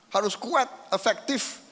harus kuat efektif